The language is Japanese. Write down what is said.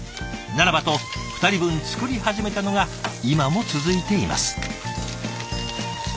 ならばと２人分作り始めたのが今も続いています。